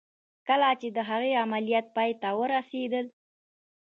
کله چې د هغه عملیات پای ته ورسېد